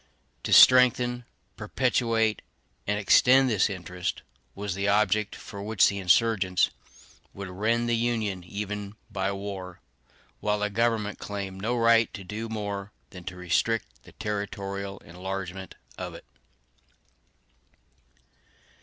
To strengthen, perpetuate, and extend this interest was the object for which the insurgents would rend the Union, even by war; while the government claimed no right to do more than to restrict the territorial enlargement of it.